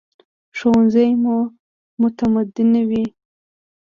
ښوونځی مو متمدنوي